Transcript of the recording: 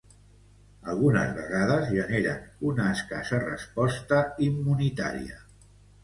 Algunes vegades generen una escassa resposta immunitària.